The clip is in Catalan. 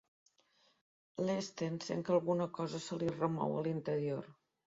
L'Sten sent que alguna cosa se li remou a l'interior.